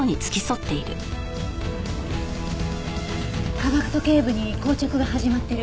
下顎と頸部に硬直が始まってる。